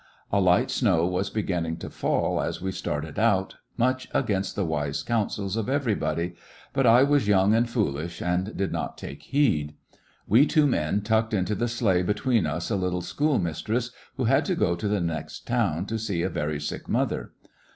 A light snow was beginning to fall as we started out, much against the wise counsels of everybody, but I was young 31 Recollections of a and foolish and did not take heed. We two men tucked into the sleigh between ns a little schoolmistress who had to go to the next town to see a very sick mother.